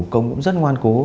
công cũng rất ngoan cố